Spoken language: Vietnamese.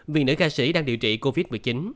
vì nữ ca sĩ đang điều trị covid một mươi chín